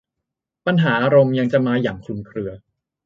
ปัญหาอารมณ์ยังจะมาอย่างคลุมเครือ